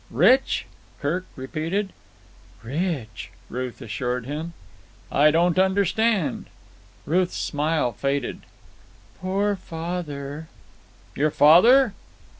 "Rich?" Kirk repeated. "Rich," Ruth assured him. "I don't understand." Ruth's smile faded. "Poor father——" "Your father?"